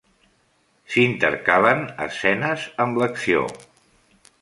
S'intercalen escenes amb l'acció.